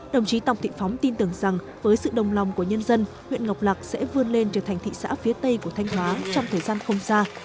đồng chí tòng thị phóng tin tưởng rằng với sự đồng lòng của nhân dân huyện ngọc lạc sẽ vươn lên trở thành thị xã phía tây của thanh hóa trong thời gian không xa